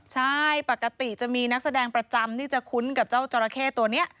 ใช่ปกติจะมีนักแสดงประจำที่จะคุ้นกับเจ้าจราเข้ตัวนี้